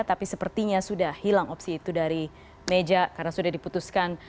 tapi sepertinya sudah hilang opsi itu dari meja karena sudah diputuskan